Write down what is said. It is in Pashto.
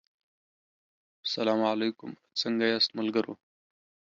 سلا علیکم څنګه یاست ملګرو